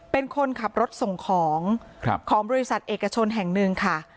เป็นคนขับรถส่งของของบริษัทเอกชนแห่งหนึ่งค่ะ